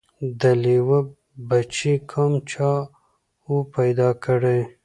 د لېوه بچی کوم چا وو پیدا کړی